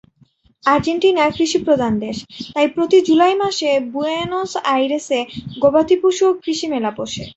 Argentina কৃষিপ্রধান দেশ, তাই প্রতি জুলাই মাসে বুয়েনোস আইরেসে গবাদি পশু ও কৃষি মেলা বসে।